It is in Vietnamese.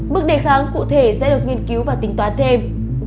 bước đề kháng cụ thể sẽ được nghiên cứu và tính toán thêm